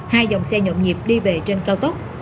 hai dòng xe nhộn nhịp đi về trên cao tốc